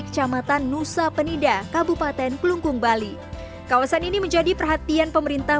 kecamatan nusa penida kabupaten kelungkung bali kawasan ini menjadi perhatian pemerintah